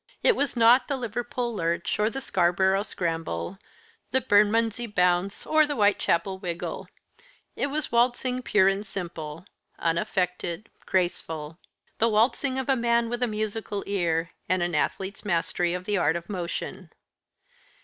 It was not the Liverpool Lurch, or the Scarborough Scramble, the Bermondsey Bounce, or the Whitechapel Wiggle; it was waltzing pure and simple, unaffected, graceful; the waltzing of a man with a musical ear, and an athlete's mastery of the art of motion.